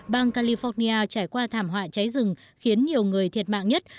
bang california trải qua thảm họa cháy rừng khiến nhiều người thiệt mạng nhất